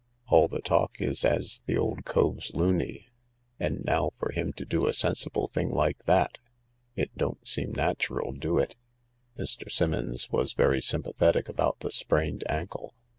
All the talk is as the old cove's loony, and now for him to do a sensible thing like that. It don't seem natural, do it ?" Mr. Simmons was very sympathetic about the sprained ankle.